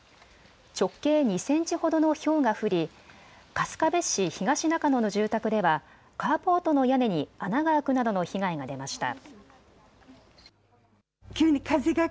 直径２センチほどのひょうが降り春日部市東中野の住宅ではカーポートの屋根に穴が開くなどの被害が出ました。